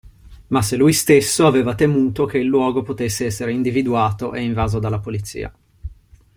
Ma se lui stesso aveva temuto che il luogo potesse essere individuato e invaso dalla Polizia.